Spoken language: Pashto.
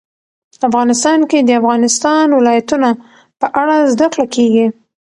افغانستان کې د د افغانستان ولايتونه په اړه زده کړه کېږي.